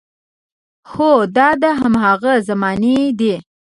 هو، دا د هماغې زمانې دی.